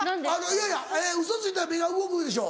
いやいやウソついたら目が動くいうでしょ。